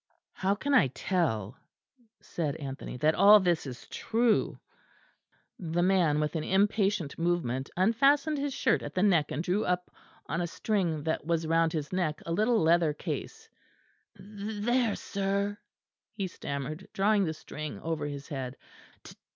"How can I tell," said Anthony, "that all this is true?" The man with an impatient movement unfastened his shirt at the neck and drew up on a string that was round his neck a little leather case. "Th there, sir," he stammered, drawing the string over his head.